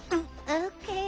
オッケー。